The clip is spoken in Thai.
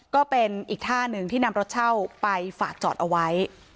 ก็เป็นอีกท่าหนึ่งที่นำรถเช่าไปฝากจอดเอาไว้